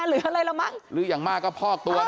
หรืออะไรละมั้ง